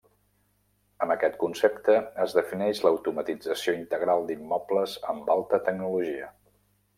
Amb aquest concepte, es defineix l'automatització integral d'immobles amb alta tecnologia.